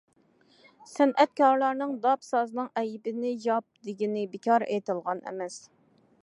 سەنئەتكارلارنىڭ‹‹ داپ سازنىڭ ئەيىبىنى ياپ›› دېگىنى بىكار ئېيتىلغان ئەمەس.